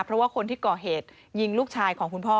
เพราะว่าคนที่ก่อเหตุยิงลูกชายของคุณพ่อ